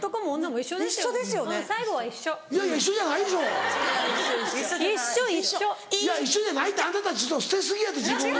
一緒じゃないってあんたたち捨て過ぎやって自分を。